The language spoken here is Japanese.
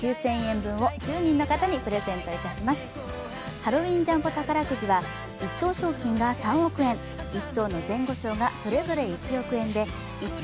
ハロウィンジャンボ宝くじは１等賞金が３億円、１等の前後賞がそれぞれ１億円で１等